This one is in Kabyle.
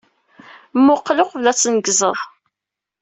Mmuqqel uqbel ad tneggzeḍ.